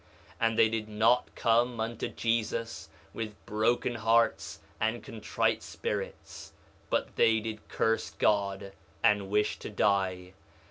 2:14 And they did not come unto Jesus with broken hearts and contrite spirits, but they did curse God, and wish to die.